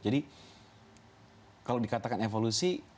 jadi kalau dikatakan evolusi